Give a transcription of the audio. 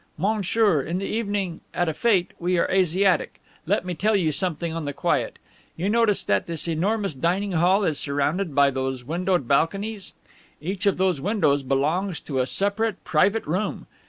Monsieur, in the evening, at a fete, we are Asiatic. Let me tell you something on the quiet. You notice that this enormous dining hall is surrounded by those windowed balconies. Each of those windows belongs to a separate private room.